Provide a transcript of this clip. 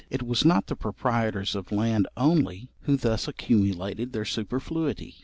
It was not the proprietors of land only who thus accumulated their superfluity.